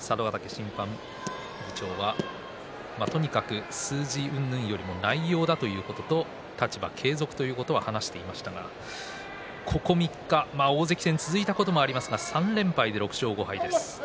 審判部長はとにかく数字うんぬんよりも内容だということと立場継続ということを話していましたがこの３日大関戦が続いたこともありますが３連敗で６勝５敗です。